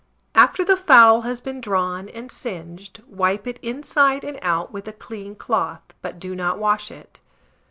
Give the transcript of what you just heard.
After the fowl has been drawn and singed, wipe it inside and out with a clean cloth, but do not wash it.